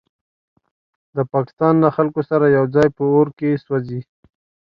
د پاکستان له خلکو سره یوځای په اور کې سوځي.